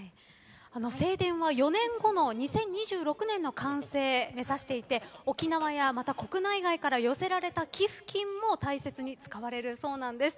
正殿は４年後の２０２６年の完成を目指していて沖縄や、また国内外から寄せられた寄付金も大切に使われるそうなんです。